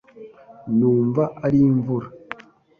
Numva ari imvura .